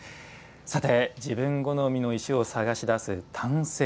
自分好みの石を探し出す探石。